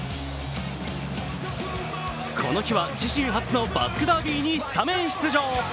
この日は自身初のバスクダービーにスタメン出場。